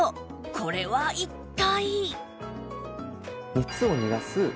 これは一体！？